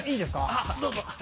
あっどうぞ。